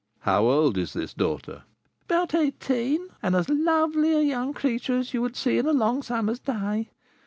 "How old is this daughter?" "About eighteen, and as lovely a young creature as you would see in a long summer's day.